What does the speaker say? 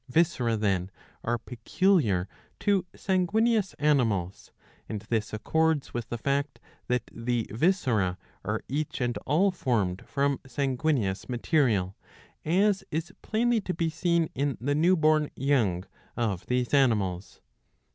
Viscera, then, are peculiar to sanguineous animals ; and this accords with the fact that the viscera are each and all formed from sanguineous material, as is plainly to be seen in the new born young of these animals.